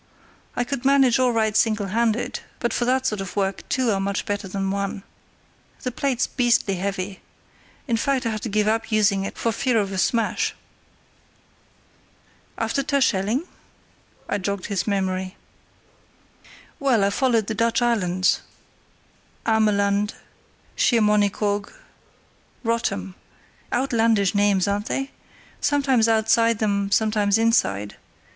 I could manage all right single handed, but for that sort of work two are much better than one. The plate's beastly heavy; in fact, I had to give up using it for fear of a smash." "After Terschelling?" I jogged his memory. "Well, I followed the Dutch islands, Ameland, Schiermonnikoog, Rottum (outlandish names, aren't they?), sometimes outside them, sometimes inside.